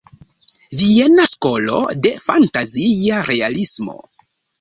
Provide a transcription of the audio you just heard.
Viena skolo de fantazia realismo.